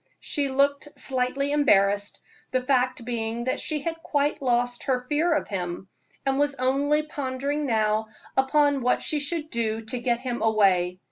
She looked slightly embarrassed, the fact being that she had quite lost her fear of him, and was only pondering now upon what she should do to get him away.